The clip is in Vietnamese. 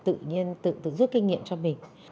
tự nhiên tự giúp kinh nghiệm cho mình